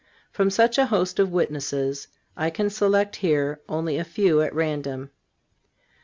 From such a host of witnesses I can select here only a few at random.